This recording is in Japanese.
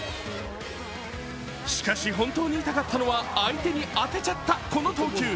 しかし、本当に痛かったのは相手に当てちゃったこの投球。